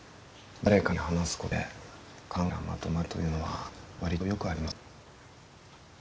誰かに話すことで考えがまとまるというのは割とよくあります。